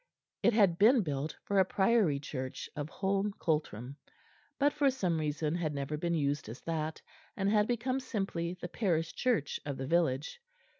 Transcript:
It had been built for a priory church of Holm Cultram, but for some reason had never been used as that, and had become simply the parish church of the village.